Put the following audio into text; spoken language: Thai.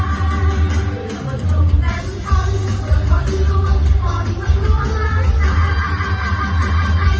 เผื่อว่าคุ้มกันทั้งส่วนของส่วนพอดีมันล้วนอ่าอ่าอ่าอ่าอ่าอ่าอ่า